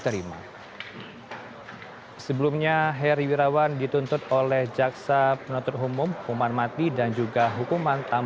demikian perkara yang dididikkan oleh mas jokim telah selesai dilaksanakan